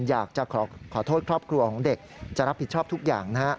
อยากจะขอโทษครอบครัวของเด็กจะรับผิดชอบทุกอย่างนะฮะ